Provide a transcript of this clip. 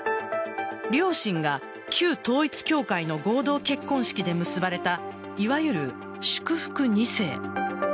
両親が旧統一教会の合同結婚式で結ばれたいわゆる祝福２世。